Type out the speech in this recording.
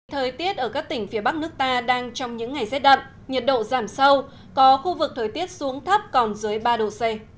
thời tiết ở các tỉnh phía bắc nước ta đang trong những ngày rét đậm nhiệt độ giảm sâu có khu vực thời tiết xuống thấp còn dưới ba độ c